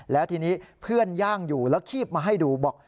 แล้วทีนี้เพื่อนย่างอยู่แล้วคีบมาให้ดูบอก